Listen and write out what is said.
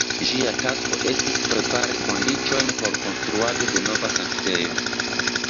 Ĝia tasko estis prepari kondiĉojn por konstruado de nova sanktejo.